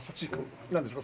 何ですか？